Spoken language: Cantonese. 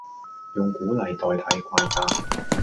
用鼓勵代替怪責